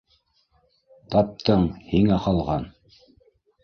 — Таптың, һиңә ҡалған.